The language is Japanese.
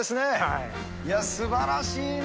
いや、すばらしいな。